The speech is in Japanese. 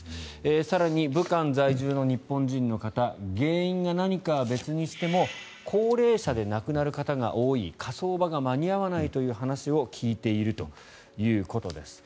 更に、武漢在住の日本人の方原因が何かは別にしても高齢者で亡くなる方が多い火葬場が間に合わないという話を聞いているということです。